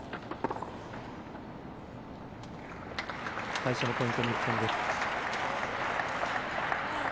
最初のポイント、日本です。